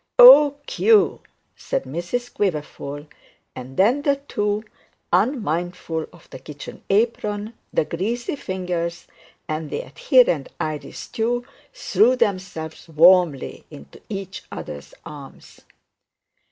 'Oh, Q!' said Mrs Quiverful; and then the two, unmindful of the kitchen apron, the greasy fingers, and the adherent Irish stew, threw themselves warmly into each other's arms.